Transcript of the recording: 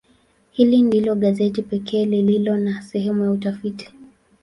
Hili ndilo gazeti pekee lililo na sehemu ya utafiti.